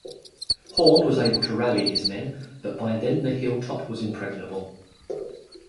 Horn was able to rally his men, but by then the hilltop was impregnable.